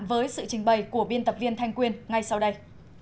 với sự trình bày của biên tập viên thanh quyên ngay sau đây